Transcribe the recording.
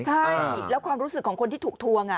ใช่แล้วความรู้สึกของคนที่ถูกทวง